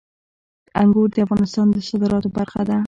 انګور د افغانستان د صادراتو برخه ده.